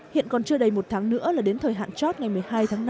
hiện còn chưa đầy một tháng nữa là đến thời hạn chót ngày một mươi hai tháng năm